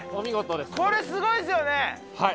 これすごいですよね。